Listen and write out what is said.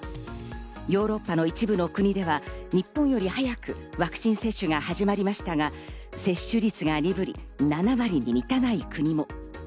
ヨーロッパの一部の国では、日本より早くワクチン接種が始まりましたが、接種率が鈍り７割に満たない国も。